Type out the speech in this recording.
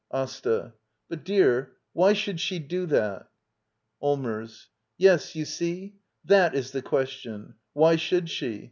AsTA. But, dear, why should she do that? Allmers. Yes, you see — that is the question! Why should she?